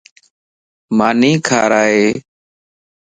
ماني کارائي